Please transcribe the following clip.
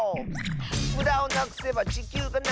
「むだをなくせばちきゅうがながいき」